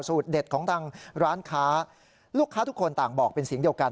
เด็ดของทางร้านค้าลูกค้าทุกคนต่างบอกเป็นเสียงเดียวกัน